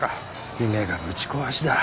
夢がぶち壊しだ。